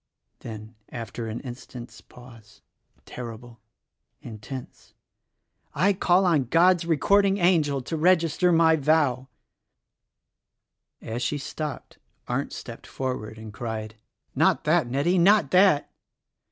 Then after an instant's pause, terrible, intense: "I call on God's Recording Angel to register my vow." As she stopped, Arndt stepped forward and cried,— 34 THE RECORDING ANGEL "Not that, Nettie, not that!"